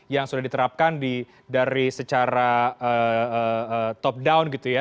yang sudah diterapkan dari secara top down gitu ya